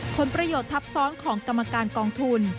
ผลประโยชน์ทับซ้อนของกรรมการกองทุน